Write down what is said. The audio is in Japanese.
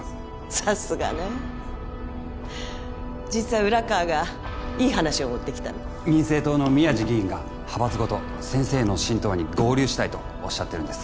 さすがね実は浦川がいい話を持ってきたの民政党の宮地議員が派閥ごと先生の新党に合流したいとおっしゃってるんです